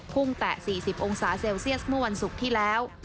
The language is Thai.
แตะ๔๐องศาเซลเซียสเมื่อวันศุกร์ที่แล้ว